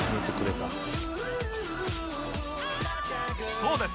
そうです！